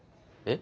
え？